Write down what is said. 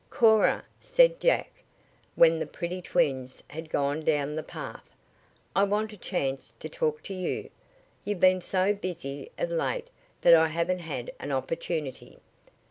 "Cora," said Jack, when the pretty twins had gone down the path, "I want a chance to talk to you. You've been so busy of late that I haven't had an opportunity."